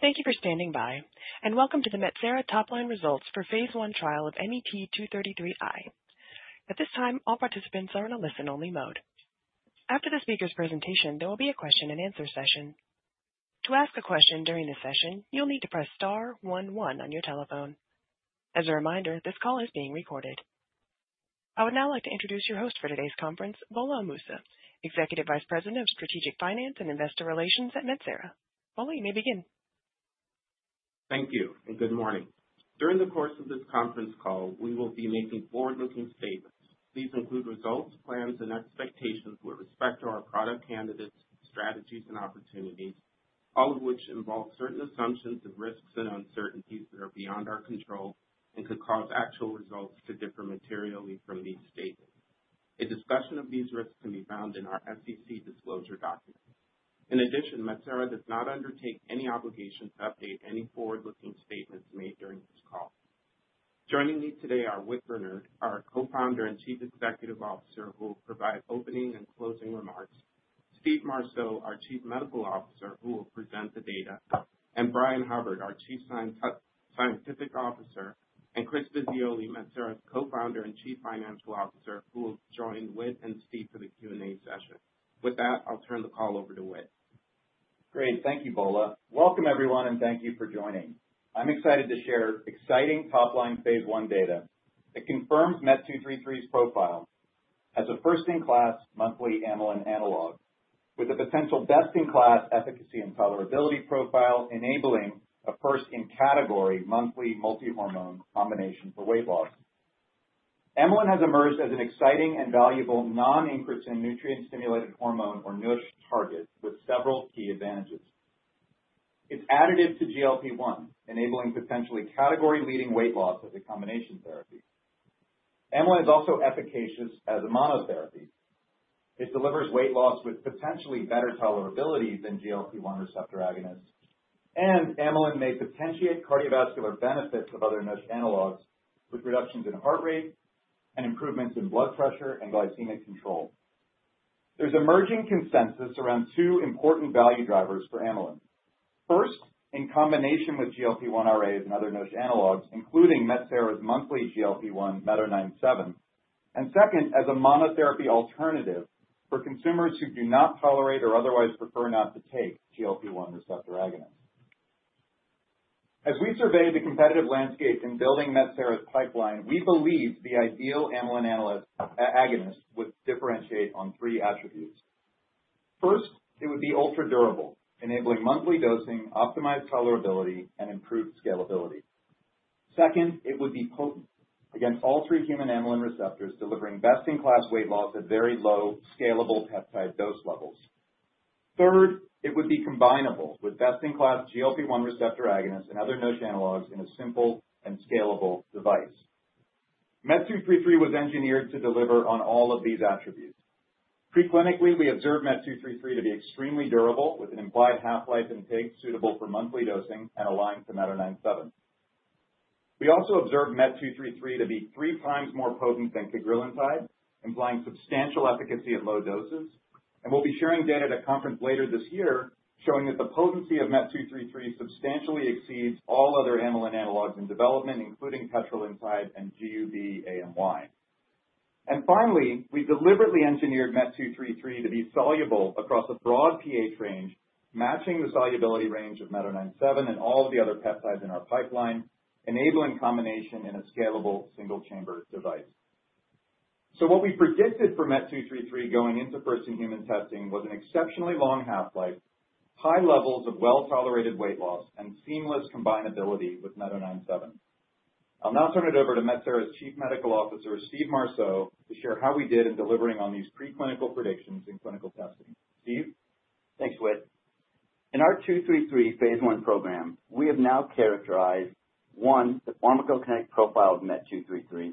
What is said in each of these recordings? Thank you for standing by, and welcome to the Metsera topline results for phase I trial of MET-233i. At this time, all participants are in a listen-only mode. After the speaker's presentation, there will be a question-and-answer session. To ask a question during this session, you'll need to press star one one on your telephone. As a reminder, this call is being recorded. I would now like to introduce your host for today's conference, Gbola Amusa, Executive Vice President of Strategic Finance and Investor Relations at Metsera. Gbola, you may begin. Thank you, and good morning. During the course of this conference call, we will be making forward-looking statements. These include results, plans, and expectations with respect to our product candidates, strategies, and opportunities, all of which involve certain assumptions of risks and uncertainties that are beyond our control and could cause actual results to differ materially from these statements. A discussion of these risks can be found in our FCC disclosure document. In addition, Metsera does not undertake any obligation to update any forward-looking statements made during this call. Joining me today are Whit Bernard, our Co-founder and Chief Executive Officer, who will provide opening and closing remarks; Steve Marceau, our Chief Medical Officer, who will present the data; and Brian Hubbard, our Chief Scientific Officer; and Chris Vizioli, Metsera's Co-founder and Chief Financial Officer, who will join Whit and Steve for the Q&A session. With that, I'll turn the call over to Whit. Great, thank you, Gbola. Welcome, everyone, and thank you for joining. I'm excited to share exciting top-line phase I data that confirms MET-233's profile as a first-in-class monthly amylin analog, with a potential best-in-class efficacy and tolerability profile enabling a first-in-category monthly multi-hormone combination for weight loss. Amylin has emerged as an exciting and valuable non-increase in nutrient-stimulated hormone, or NuSH, target with several key advantages. It's additive to GLP-1, enabling potentially category-leading weight loss as a combination therapy. Amylin is also efficacious as a monotherapy. It delivers weight loss with potentially better tolerability than GLP-1 receptor agonists, and amylin may potentiate cardiovascular benefits of other NuSH analogs with reductions in heart rate and improvements in blood pressure and glycemic control. There's emerging consensus around two important value drivers for amylin: first, in combination with GLP-1 RAs and other NuSH analogs, including Metsera's monthly GLP-1 MET-O97; and second, as a monotherapy alternative for consumers who do not tolerate or otherwise prefer not to take GLP-1 receptor agonists. As we survey the competitive landscape in building Metsera's pipeline, we believe the ideal amylin agonist would differentiate on three attributes. First, it would be ultra-durable, enabling monthly dosing, optimized tolerability, and improved scalability. Second, it would be potent against all three human amylin receptors, delivering best-in-class weight loss at very low scalable peptide dose levels. Third, it would be combinable with best-in-class GLP-1 receptor agonists and other NuSH analogs in a simple and scalable device. MET-233 was engineered to deliver on all of these attributes. Pre-clinically, we observed MET-233 to be extremely durable, with an implied half-life in pigs suitable for monthly dosing and aligned to MET-O97. We also observed MET-233 to be three times more potent than cagrilintide, implying substantial efficacy at low doses, and we'll be sharing data at a conference later this year showing that the potency of MET-233 substantially exceeds all other amylin analogs in development, including tetralintide and GUB AMY. Finally, we deliberately engineered MET-233 to be soluble across a broad pH range, matching the solubility range of MET-O97 and all of the other peptides in our pipeline, enabling combination in a scalable single-chamber device. What we predicted for MET-233 going into first-in-human testing was an exceptionally long half-life, high levels of well-tolerated weight loss, and seamless combinability with MET-O97. I'll now turn it over to Metsera's Chief Medical Officer, Steve Marceau, to share how we did in delivering on these pre-clinical predictions in clinical testing. Steve? Thanks, Whit. In our 233 phase I program, we have now characterized: one, the pharmacokinetic profile of MET-233;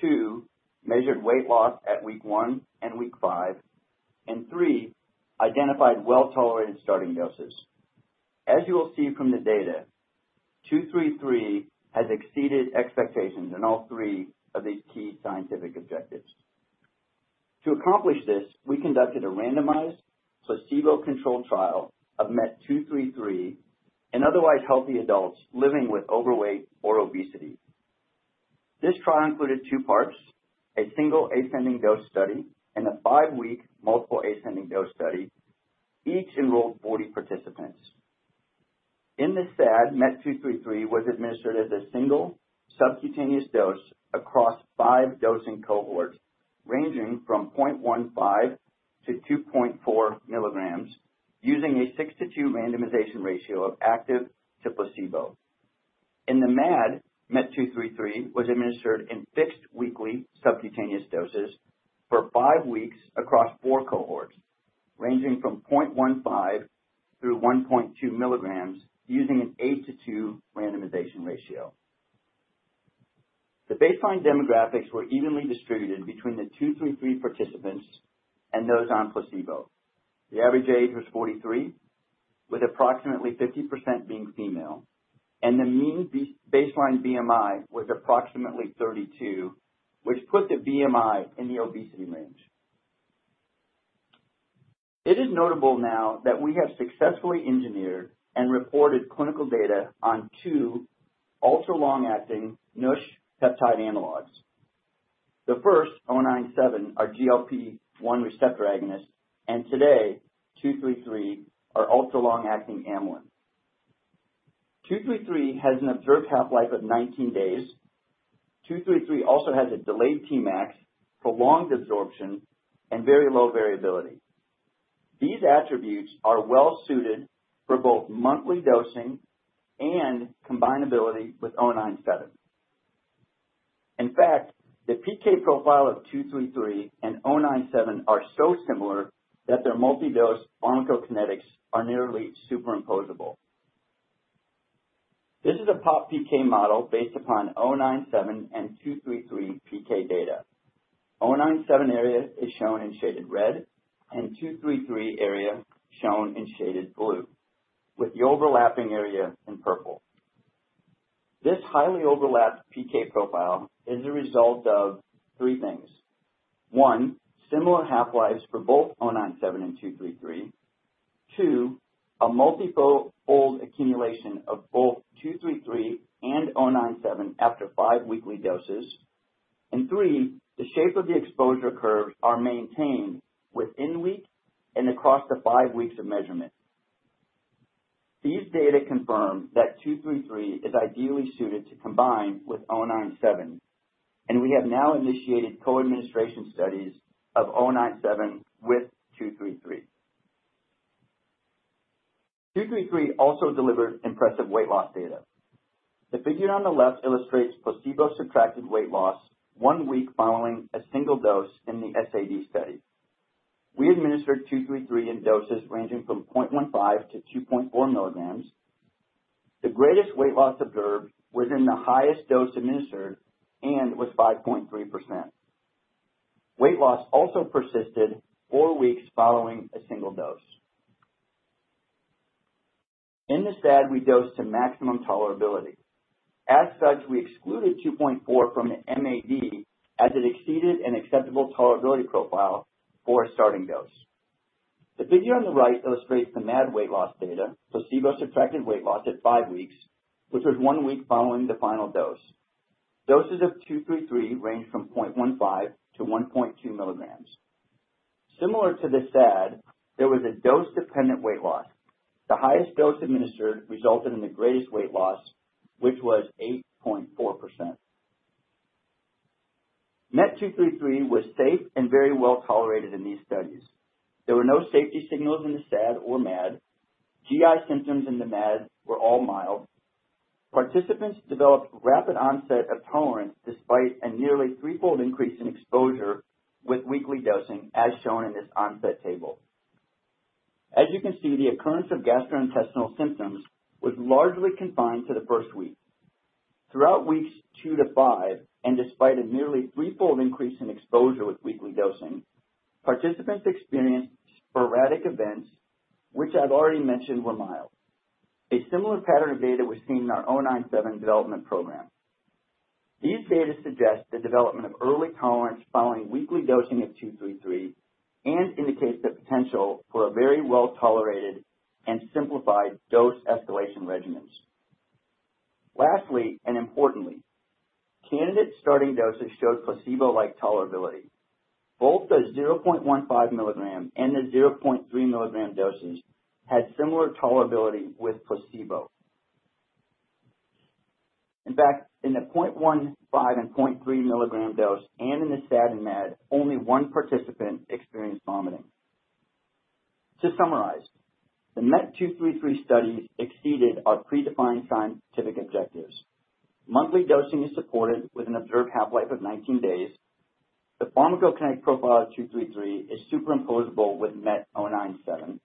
two, measured weight loss at week one and week five; and three, identified well-tolerated starting doses. As you will see from the data, 233 has exceeded expectations in all three of these key scientific objectives. To accomplish this, we conducted a randomized placebo-controlled trial of MET-233 in otherwise healthy adults living with overweight or obesity. This trial included two parts: a single ascending dose study and a five-week multiple ascending dose study, each enrolled 40 participants. In this SAD, MET-233 was administered as a single subcutaneous dose across five dosing cohorts ranging from 0.15 milligrams-2.4 milligrams, using a six-to-two randomization ratio of active to placebo. In the MAD, MET-233 was administered in fixed weekly subcutaneous doses for five weeks across four cohorts ranging from 0.15 milligrams-1.2 milligrams, using an eight-to-two randomization ratio. The baseline demographics were evenly distributed between the 233 participants and those on placebo. The average age was 43, with approximately 50% being female, and the mean baseline BMI was approximately 32, which put the BMI in the obesity range. It is notable now that we have successfully engineered and reported clinical data on two ultra-long-acting NuSH peptide analogs. The first, O97, are GLP-1 receptor agonists, and today, 233 are ultra-long-acting amylin. 233 has an observed half-life of 19 days. 233 also has a delayed Tmax, prolonged absorption, and very low variability. These attributes are well-suited for both monthly dosing and combinability with O97. In fact, the PK profile of 233 and O97 are so similar that their multi-dose pharmacokinetics are nearly superimposable. This is a pop PK model based upon O97 and 233 PK data. O97 area is shown in shaded red, and 233 area shown in shaded blue, with the overlapping area in purple. This highly overlapped PK profile is a result of three things: one, similar half-lives for both O97 and 233; two, a multifold accumulation of both 233 and O97 after five weekly doses; and three, the shape of the exposure curves are maintained within week and across the five weeks of measurement. These data confirm that 233 is ideally suited to combine with O97, and we have now initiated co-administration studies of O97 with 233. 233 also delivers impressive weight loss data. The figure on the left illustrates placebo-subtracted weight loss one week following a single dose in the SAD study. We administered 233 in doses ranging from 0.15-2.4 milligrams. The greatest weight loss observed was in the highest dose administered and was 5.3%. Weight loss also persisted four weeks following a single dose. In this SAD, we dosed to maximum tolerability. As such, we excluded 2.4 from the MAD as it exceeded an acceptable tolerability profile for a starting dose. The figure on the right illustrates the MAD weight loss data, placebo-subtracted weight loss at five weeks, which was one week following the final dose. Doses of 233 ranged from 0.15-1.2 milligrams. Similar to this SAD, there was a dose-dependent weight loss. The highest dose administered resulted in the greatest weight loss, which was 8.4%. MET233 was safe and very well tolerated in these studies. There were no safety signals in the SAD or MAD. GI symptoms in the MAD were all mild. Participants developed rapid onset of tolerance despite a nearly threefold increase in exposure with weekly dosing, as shown in this onset table. As you can see, the occurrence of gastrointestinal symptoms was largely confined to the first week. Throughout weeks two to five, and despite a nearly threefold increase in exposure with weekly dosing, participants experienced sporadic events, which I've already mentioned were mild. A similar pattern of data was seen in our MET-O97 development program. These data suggest the development of early tolerance following weekly dosing of MET-233 and indicates the potential for very well-tolerated and simplified dose escalation regimens. Lastly, and importantly, candidate starting doses showed placebo-like tolerability. Both the 0.15 milligram and the 0.3 milligram doses had similar tolerability with placebo. In fact, in the 0.15 milligram and 0.3 milligram dose and in the SAD and MAD, only one participant experienced vomiting. To summarize, the MET-233 studies exceeded our pre-defined scientific objectives. Monthly dosing is supported with an observed half-life of 19 days. The pharmacokinetic profile of 233 is superimposable with MET-O97,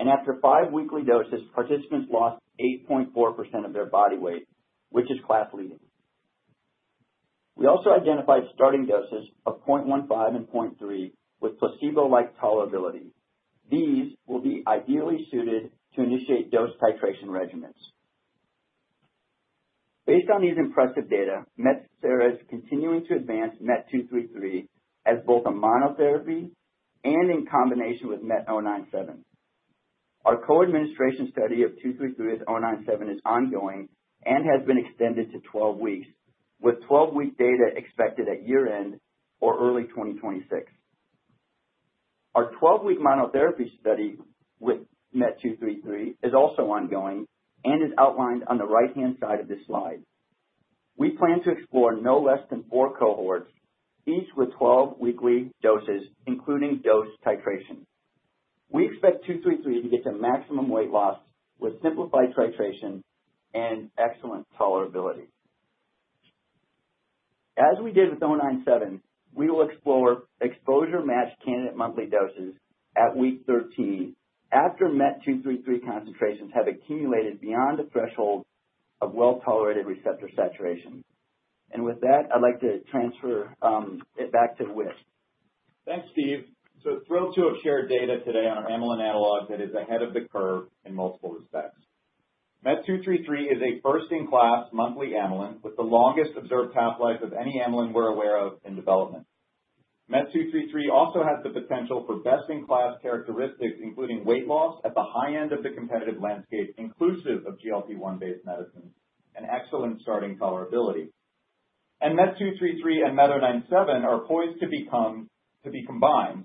and after five weekly doses, participants lost 8.4% of their body weight, which is class-leading. We also identified starting doses of 0.15 and 0.3 with placebo-like tolerability. These will be ideally suited to initiate dose titration regimens. Based on these impressive data, Metsera is continuing to advance MET-233 as both a monotherapy and in combination with MET-O97. Our co-administration study of 233 with O97 is ongoing and has been extended to 12 weeks, with 12-week data expected at year-end or early 2026. Our 12-week monotherapy study with MET-233 is also ongoing and is outlined on the right-hand side of this slide. We plan to explore no less than four cohorts, each with 12 weekly doses, including dose titration. We expect 233 to get to maximum weight loss with simplified titration and excellent tolerability. As we did with O97, we will explore exposure-matched candidate monthly doses at week 13 after MET-233 concentrations have accumulated beyond the threshold of well-tolerated receptor saturation. With that, I'd like to transfer it back to Whit. Thanks, Steve. Thrilled to have shared data today on our amylin analog that is ahead of the curve in multiple respects. MET-233 is a first-in-class monthly amylin with the longest observed half-life of any amylin we're aware of in development. MET-233 also has the potential for best-in-class characteristics, including weight loss at the high end of the competitive landscape, inclusive of GLP-1-based medicines and excellent starting tolerability. MET-233 and MET-O97 are poised to be combined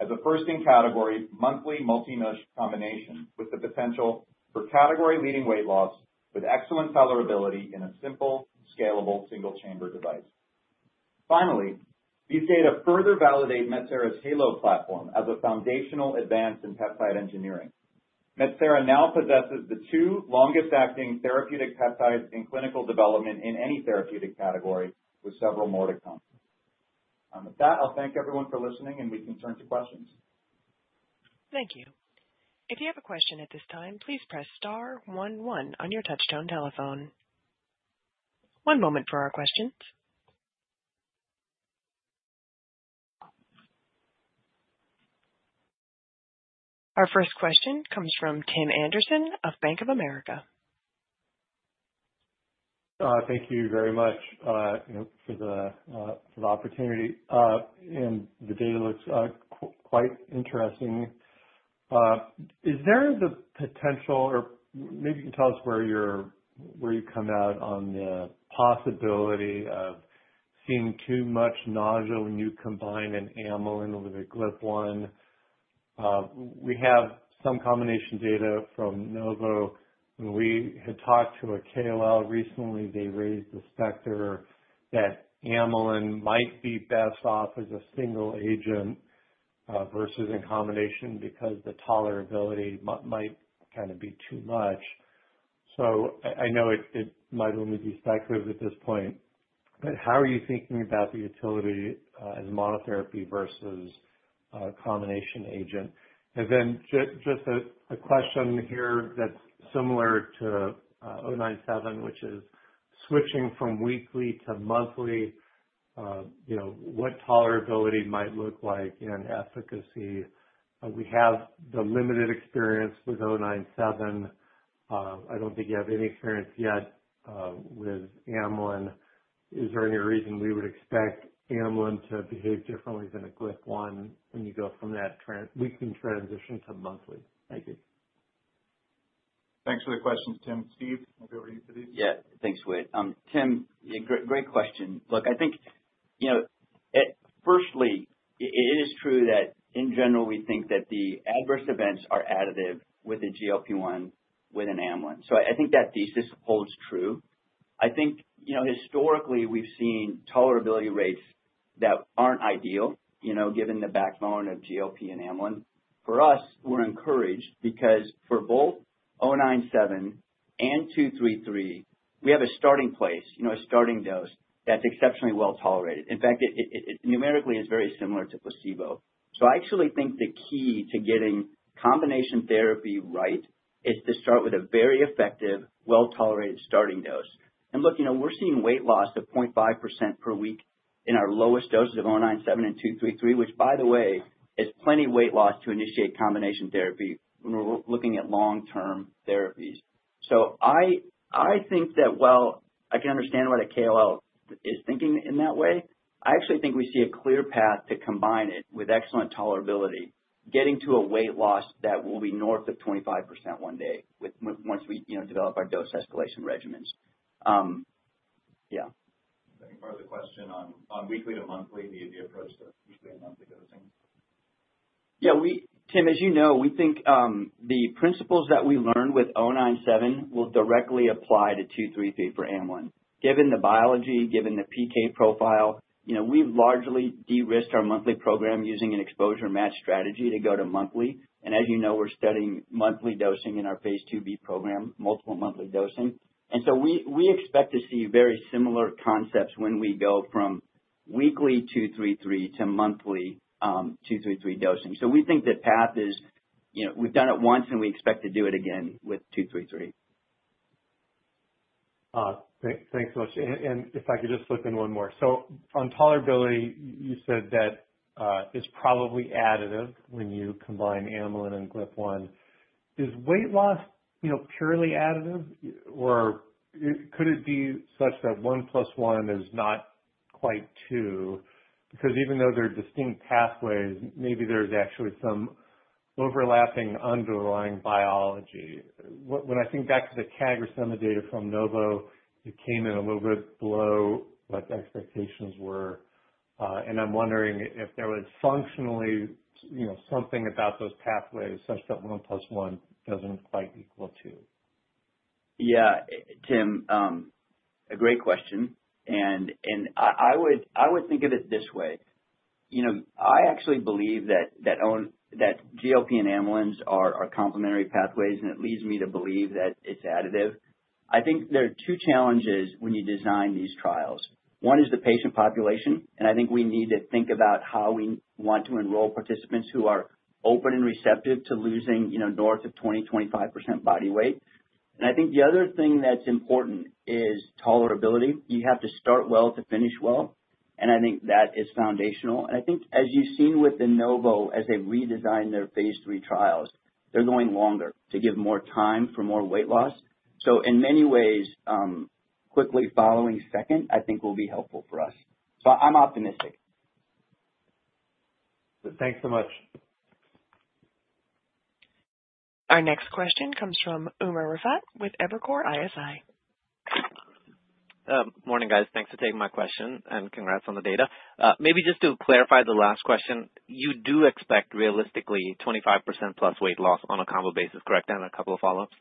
as a first-in-category monthly multi-NuSH combination with the potential for category-leading weight loss with excellent tolerability in a simple, scalable single-chamber device. Finally, these data further validate Metsera's HALO platform as a foundational advance in peptide engineering. Metsera now possesses the two longest-acting therapeutic peptides in clinical development in any therapeutic category, with several more to come. With that, I'll thank everyone for listening, and we can turn to questions. Thank you. If you have a question at this time, please press star one one on your touchstone telephone. One moment for our questions. Our first question comes from Tim Anderson of Bank of America. Thank you very much for the opportunity. The data looks quite interesting. Is there the potential, or maybe you can tell us where you come out on the possibility of seeing too much nausea when you combine an amylin with a GLP-1? We have some combination data from Novo. When we had talked to a KOL recently, they raised the specter that amylin might be best off as a single agent versus in combination because the tolerability might kind of be too much. I know it might only be speculative at this point, but how are you thinking about the utility as monotherapy versus a combination agent? A question here that's similar to O97, which is switching from weekly to monthly, what tolerability might look like and efficacy? We have the limited experience with O97. I don't think you have any experience yet with amylin. Is there any reason we would expect amylin to behave differently than a GLP-1 when you go from that weekly transition to monthly? Thank you. Thanks for the question, Tim. Steve, maybe over to you for these. Yeah. Thanks, Whit. Tim, great question. Look, I think firstly, it is true that in general, we think that the adverse events are additive with a GLP-1 with an amylin. I think that thesis holds true. I think historically, we've seen tolerability rates that aren't ideal given the backbone of GLP and amylin. For us, we're encouraged because for both O97 and 233, we have a starting place, a starting dose that's exceptionally well tolerated. In fact, numerically, it's very similar to placebo. I actually think the key to getting combination therapy right is to start with a very effective, well-tolerated starting dose. Look, we're seeing weight loss of 0.5% per week in our lowest doses of O97 and 233, which, by the way, is plenty weight loss to initiate combination therapy when we're looking at long-term therapies. I think that while I can understand what a KOL is thinking in that way, I actually think we see a clear path to combine it with excellent tolerability, getting to a weight loss that will be north of 25% one day once we develop our dose escalation regimens. Yeah. Thank you for the question on weekly to monthly, the approach to weekly and monthly dosing. Yeah. Tim, as you know, we think the principles that we learned with O97 will directly apply to 233 for amylin. Given the biology, given the PK profile, we've largely de-risked our monthly program using an exposure-matched strategy to go to monthly. As you know, we're studying monthly dosing in our phase II B program, multiple monthly dosing. We expect to see very similar concepts when we go from weekly 233 to monthly 233 dosing. We think the path is we've done it once, and we expect to do it again with 233. Thanks so much. If I could just slip in one more. On tolerability, you said that it's probably additive when you combine amylin and GLP-1. Is weight loss purely additive, or could it be such that one plus one is not quite two? Because even though they're distinct pathways, maybe there's actually some overlapping underlying biology. When I think back to the CAGR summit data from Novo, it came in a little bit below what expectations were. I'm wondering if there was functionally something about those pathways such that One plus One doesn't quite equal Two. Yeah. Tim, a great question. I would think of it this way. I actually believe that GLP and amylin are complementary pathways, and it leads me to believe that it's additive. I think there are two challenges when you design these trials. One is the patient population, and I think we need to think about how we want to enroll participants who are open and receptive to losing north of 20%-25% body weight. I think the other thing that's important is tolerability. You have to start well to finish well, and I think that is foundational. I think as you've seen with Novo, as they redesign their phase III trials, they're going longer to give more time for more weight loss. In many ways, quickly following second, I think, will be helpful for us. I'm optimistic. Thanks so much. Our next question comes from Umer Raffat with Evercore ISI. Morning, guys. Thanks for taking my question, and congrats on the data. Maybe just to clarify the last question, you do expect realistically 25%+ weight loss on a combo basis, correct? And a couple of follow-ups.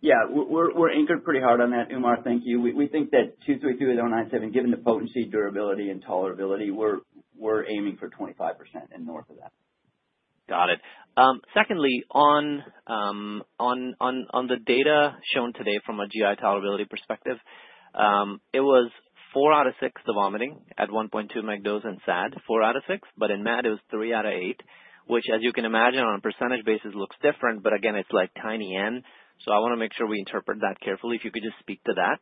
Yeah. We're anchored pretty hard on that, Umer. Thank you. We think that 233 with 097, given the potency, durability, and tolerability, we're aiming for 25% and North of that. Got it. Secondly, on the data shown today from a GI tolerability perspective, it was four out of six the vomiting at 1.2 mg dose and SAD, four out of six. In MAD, it was three out of eight, which, as you can imagine, on a percentage basis looks different, but again, it's like tiny n. I want to make sure we interpret that carefully. If you could just speak to that,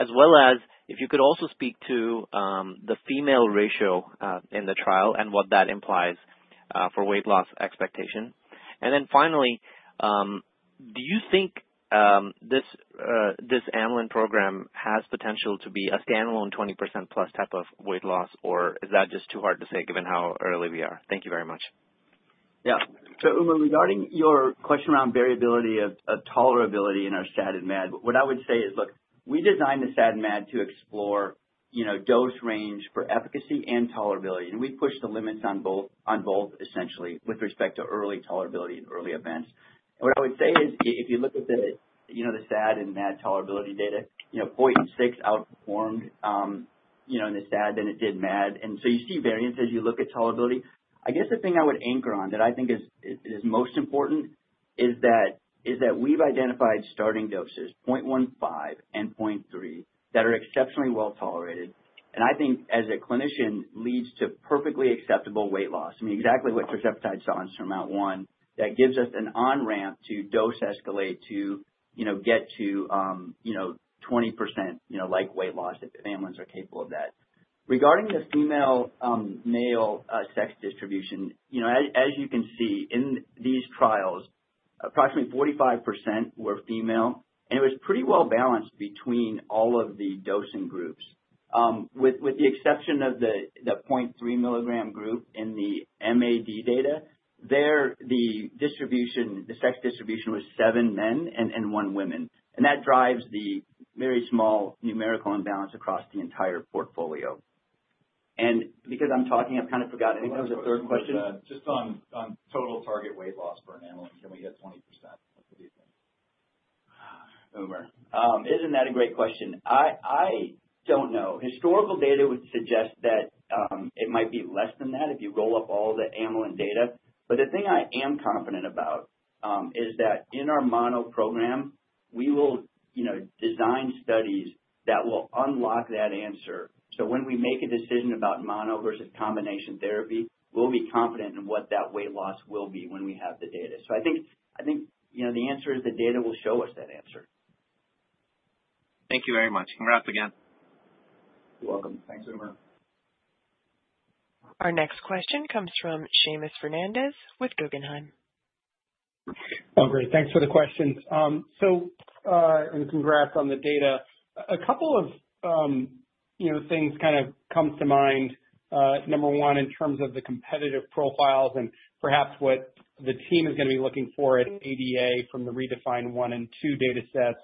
as well as if you could also speak to the female ratio in the trial and what that implies for weight loss expectation. Finally, do you think this amylin program has potential to be a standalone 20%+ type of weight loss, or is that just too hard to say given how early we are? Thank you very much. Yeah. Umer, regarding your question around variability of tolerability in our SAD and MAD, what I would say is, look, we designed the SAD and MAD to explore dose range for efficacy and tolerability. We pushed the limits on both, essentially, with respect to early tolerability and early events. What I would say is if you look at the SAD and MAD tolerability data, 0.6 outperformed in the SAD than it did MAD. You see variance as you look at tolerability. I guess the thing I would anchor on that I think is most important is that we've identified starting doses, 0.15 and 0.3, that are exceptionally well tolerated. I think as a clinician, it leads to perfectly acceptable weight loss. I mean, exactly what tirzepatide saw in SURMOUNT-1. That gives us an on-ramp to dose escalate to get to 20% like weight loss if amylin is capable of that. Regarding the female-male sex distribution, as you can see in these trials, approximately 45% were female, and it was pretty well balanced between all of the dosing groups. With the exception of the 0.3 mg group in the MAD data, the sex distribution was seven men and one woman. That drives the very small numerical imbalance across the entire portfolio. Because I'm talking, I've kind of forgotten. Anyone have a third question? Just on total target weight loss for an amylin, can we get 20%? What do you think? Umer. Isn't that a great question? I don't know. Historical data would suggest that it might be less than that if you roll up all the amylin data. The thing I am confident about is that in our mono program, we will design studies that will unlock that answer. When we make a decision about mono versus combination therapy, we'll be confident in what that weight loss will be when we have the data. I think the answer is the data will show us that answer. Thank you very much. Congrats again. You're welcome. Thanks, Umer. Our next question comes from Seamus Fernandez with Guggenheim. Oh, great. Thanks for the questions. And congrats on the data. A couple of things kind of come to mind. Number one, in terms of the competitive profiles and perhaps what the team is going to be looking for at ADA from the REDEFINE one and two data sets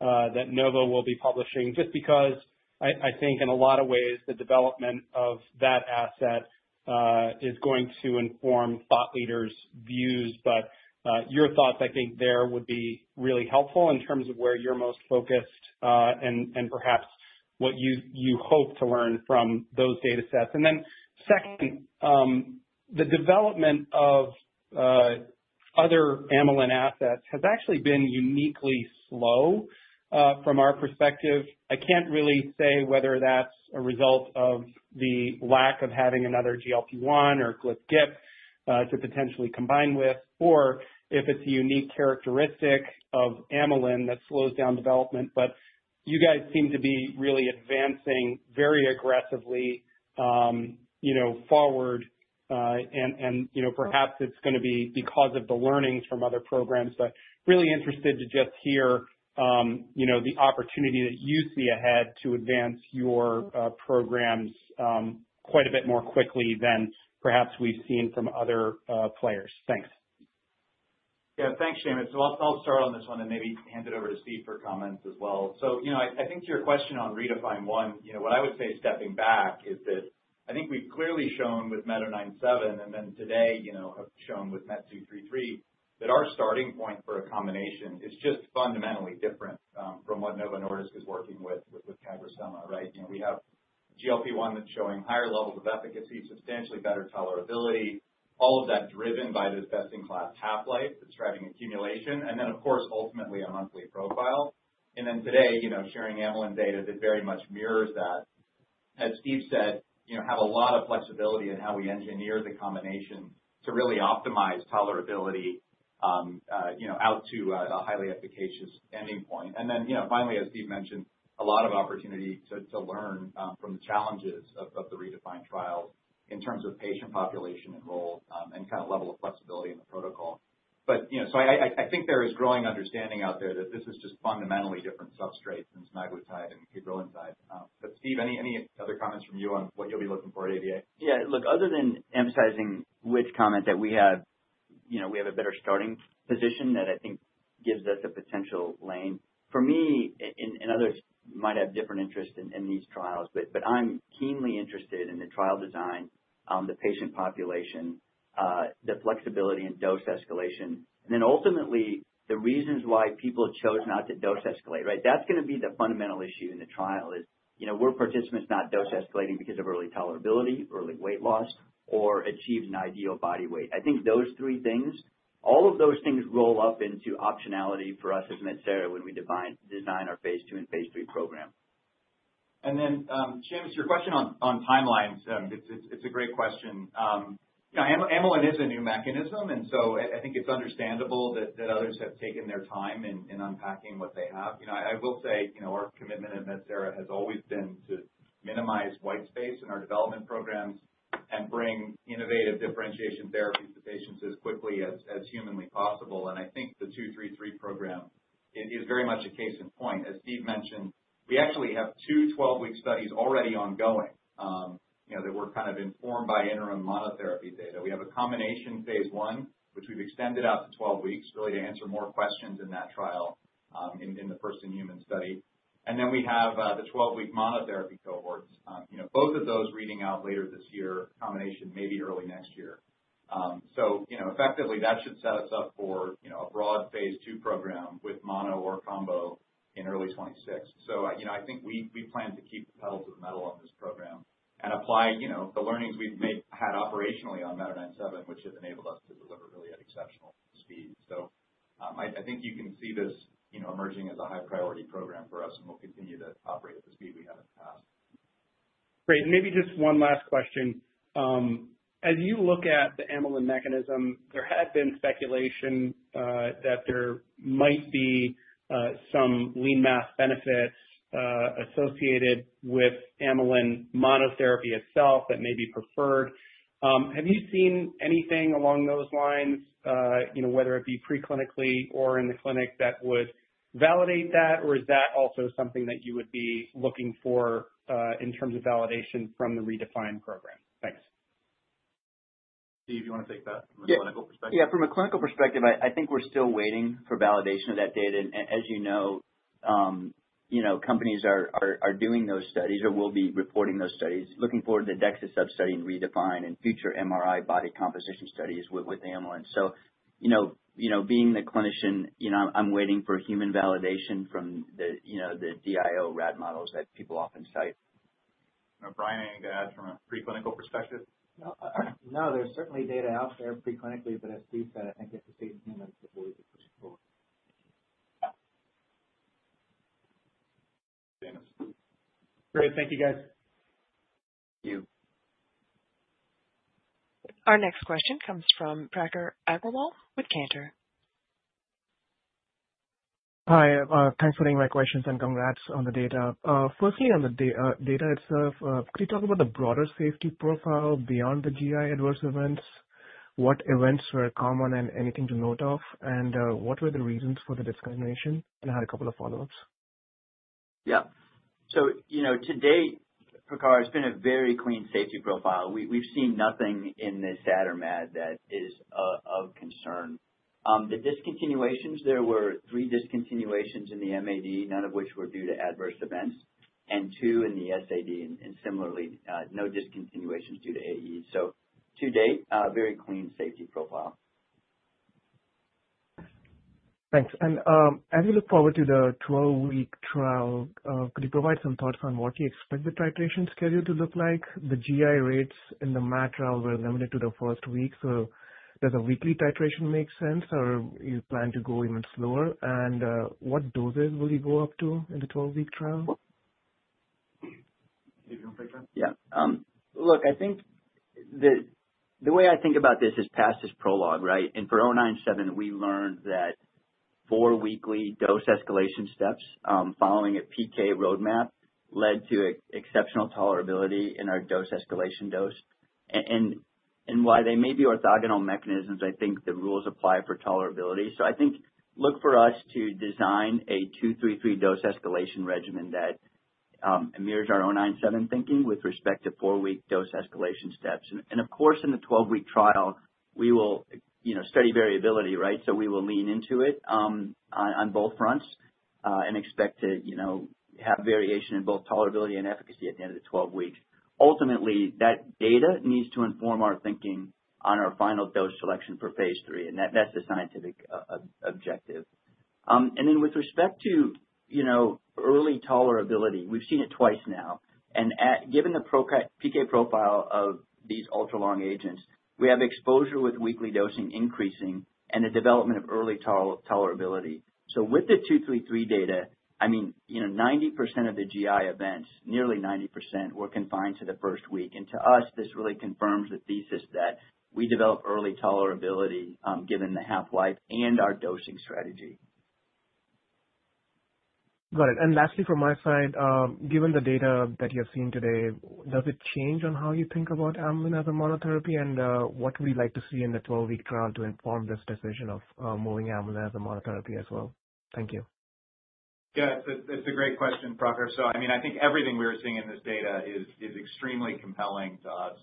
that Novo will be publishing, just because I think in a lot of ways, the development of that asset is going to inform thought leaders' views. But your thoughts, I think, there would be really helpful in terms of where you're most focused and perhaps what you hope to learn from those data sets. And then second, the development of other amylin assets has actually been uniquely slow from our perspective. I can't really say whether that's a result of the lack of having another GLP-1 or GLP-2 to potentially combine with, or if it's a unique characteristic of amylin that slows down development. You guys seem to be really advancing very aggressively forward. Perhaps it's going to be because of the learnings from other programs. I'm really interested to just hear the opportunity that you see ahead to advance your programs quite a bit more quickly than perhaps we've seen from other players. Thanks. Yeah. Thanks, Seamus. I'll start on this one and maybe hand it over to Steve for comments as well. I think to your question on REDEFINE one, what I would say stepping back is that I think we have clearly shown with MET-O97, and then today have shown with MET-233 that our starting point for a combination is just fundamentally different from what Novo Nordisk is working with with cagrilintide, right? We have GLP-1 that is showing higher levels of efficacy, substantially better tolerability, all of that driven by this best-in-class half-life that is driving accumulation. Of course, ultimately, a monthly profile. Today, sharing amylin data that very much mirrors that, as Steve said, we have a lot of flexibility in how we engineer the combination to really optimize tolerability out to a highly efficacious ending point. Finally, as Steve mentioned, a lot of opportunity to learn from the challenges of the REDEFINE trials in terms of patient population enrolled and kind of level of flexibility in the protocol. I think there is growing understanding out there that this is just fundamentally different substrates than semaglutide and cagrilintide. Steve, any other comments from you on what you'll be looking for at ADA? Yeah. Look, other than emphasizing which comment that we have, we have a better starting position that I think gives us a potential lane. For me, and others might have different interests in these trials, but I'm keenly interested in the trial design, the patient population, the flexibility in dose escalation, and then ultimately, the reasons why people chose not to dose escalate, right? That's going to be the fundamental issue in the trial is were participants not dose escalating because of early tolerability, early weight loss, or achieved an ideal body weight. I think those three things, all of those things roll up into optionality for us as Metsera when we design our phase II and phase III program. Seamus, your question on timelines, it's a great question. Amylin is a new mechanism, and I think it's understandable that others have taken their time in unpacking what they have. I will say our commitment at Metsera has always been to minimize white space in our development programs and bring innovative differentiation therapies to patients as quickly as humanly possible. I think the 233 program is very much a case in point. As Steve mentioned, we actually have two 12-week studies already ongoing that were kind of informed by interim monotherapy data. We have a combination phase I, which we've extended out to 12 weeks really to answer more questions in that trial in the first inhuman study. We have the 12-week monotherapy cohorts, both of those reading out later this year, combination maybe early next year. Effectively, that should set us up for a broad phase II program with mono or combo in early 2026. I think we plan to keep the pedal to the metal on this program and apply the learnings we've had operationally on MET-O97, which has enabled us to deliver really at exceptional speed. I think you can see this emerging as a high-priority program for us, and we'll continue to operate at the speed we have in the past. Great. Maybe just one last question. As you look at the amylin mechanism, there had been speculation that there might be some lean mass benefits associated with amylin monotherapy itself that may be preferred. Have you seen anything along those lines, whether it be preclinically or in the clinic, that would validate that, or is that also something that you would be looking for in terms of validation from the REDEFINE program? Thanks. Steve, you want to take that from a clinical perspective? Yeah. From a clinical perspective, I think we're still waiting for validation of that data. As you know, companies are doing those studies or will be reporting those studies, looking forward to the DEXA sub-study and redefine and future MRI body composition studies with amylin. Being the clinician, I'm waiting for human validation from the DIO RAD models that people often cite. Brian, anything to add from a preclinical perspective? No. There's certainly data out there preclinically, but as Steve said, I think it's a safe human to push forward. Great. Thank you, guys. Thank you. Our next question comes from Prakhar Agrawal with Cantor. Hi. Thanks for taking my questions and congrats on the data. Firstly, on the data itself, could you talk about the broader safety profile beyond the GI adverse events? What events were common and anything to note of? What were the reasons for the discrimination? I had a couple of follow-ups. Yeah. To date, Prakhar, it's been a very clean safety profile. We've seen nothing in the SAD or MAD that is of concern. The discontinuations, there were three discontinuations in the MAD, none of which were due to adverse events, and two in the SAD, and similarly, no discontinuations due to AEs. To date, very clean safety profile. Thanks. As we look forward to the 12-week trial, could you provide some thoughts on what you expect the titration schedule to look like? The GI rates in the MAD trial were limited to the first week. Does a weekly titration make sense, or do you plan to go even slower? What doses will you go up to in the 12-week trial? Steve, you want to take that? Yeah. Look, I think the way I think about this is past is prologue, right? And for 097, we learned that four weekly dose escalation steps following a PK roadmap led to exceptional tolerability in our dose escalation dose. While they may be orthogonal mechanisms, I think the rules apply for tolerability. I think look for us to design a 233 dose escalation regimen that mirrors our 097 thinking with respect to four-week dose escalation steps. Of course, in the 12-week trial, we will study variability, right? We will lean into it on both fronts and expect to have variation in both tolerability and efficacy at the end of the 12 weeks. Ultimately, that data needs to inform our thinking on our final dose selection for phase III, and that's the scientific objective. With respect to early tolerability, we've seen it twice now. Given the PK profile of these ultra-long agents, we have exposure with weekly dosing increasing and the development of early tolerability. With the 233 data, I mean, 90% of the GI events, nearly 90%, were confined to the first week. To us, this really confirms the thesis that we develop early tolerability given the half-life and our dosing strategy. Got it. Lastly, from my side, given the data that you have seen today, does it change how you think about amylin as a monotherapy? What would you like to see in the 12-week trial to inform this decision of moving amylin as a monotherapy as well? Thank you. Yeah. It's a great question, Prakhar. So I mean, I think everything we are seeing in this data is extremely compelling to us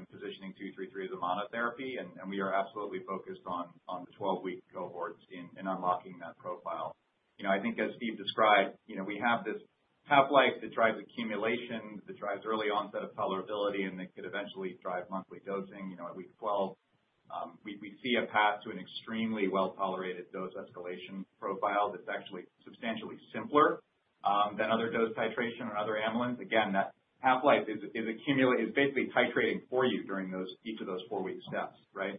in positioning 233 as a monotherapy, and we are absolutely focused on the 12-week cohorts in unlocking that profile. I think as Steve described, we have this half-life that drives accumulation, that drives early onset of tolerability, and that could eventually drive monthly dosing at week 12. We see a path to an extremely well-tolerated dose escalation profile that's actually substantially simpler than other dose titration and other amylins. Again, that half-life is basically titrating for you during each of those four-week steps, right?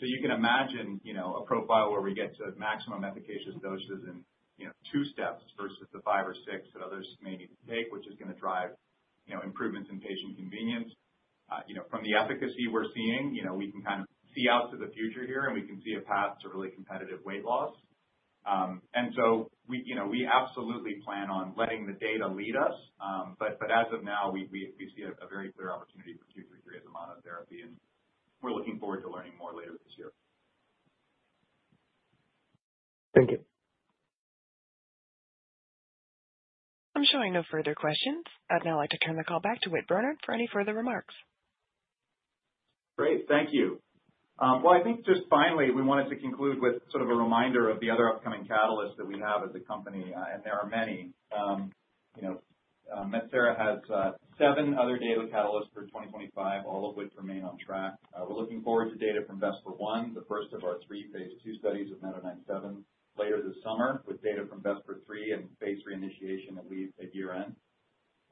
You can imagine a profile where we get to maximum efficacious doses in two steps versus the five or six that others may need to take, which is going to drive improvements in patient convenience. From the efficacy we're seeing, we can kind of see out to the future here, and we can see a path to really competitive weight loss. We absolutely plan on letting the data lead us. As of now, we see a very clear opportunity for 233 as a monotherapy, and we're looking forward to learning more later this year. Thank you. I'm showing no further questions. I'd now like to turn the call back to Whit Bernard for any further remarks. Great. Thank you. I think just finally, we wanted to conclude with sort of a reminder of the other upcoming catalysts that we have as a company, and there are many. Metsera has seven other data catalysts for 2025, all of which remain on track. We're looking forward to data from VESPER 1, the first of our three phase II studies of MET-O97, later this summer with data from VESPER 3 and phase III initiation at year-end.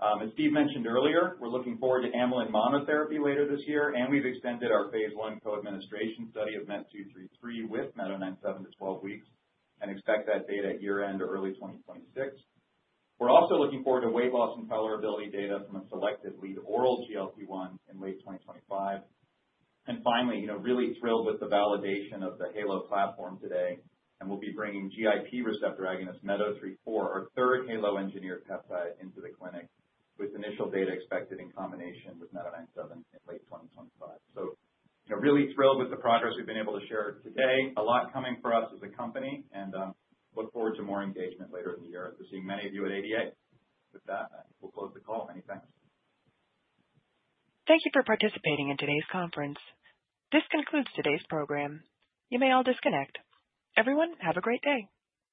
As Steve mentioned earlier, we're looking forward to amylin monotherapy later this year, and we've extended our phase 1 co-administration study of MET233 with METO97 to 12 weeks and expect that data at year-end or early 2026. We're also looking forward to weight loss and tolerability data from a selected lead oral GLP-1 in late 2025. Finally, really thrilled with the validation of the HALO platform today, and we'll be bringing GIP receptor agonist METO34, our third HALO engineered peptide, into the clinic with initial data expected in combination with METO97 in late 2025. Really thrilled with the progress we've been able to share today. A lot coming for us as a company, and look forward to more engagement later in the year. We're seeing many of you at ADA. With that, we'll close the call. Many thanks. Thank you for participating in today's conference. This concludes today's program. You may all disconnect. Everyone, have a great day.